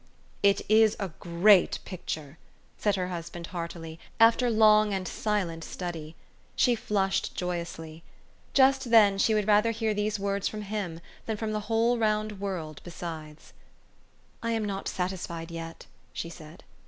4 * It is a great picture," said her husband heartily, after long and silent study. She flushed joyously. Just then she would rather hear these words from him than from the whole round world besides. "I am not satisfied yet," she said.